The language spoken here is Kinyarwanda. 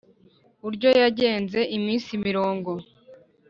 buryo yagenze iminsi mirongo